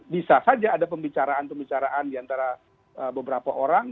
bisa saja ada pembicaraan pembicaraan diantara beberapa orang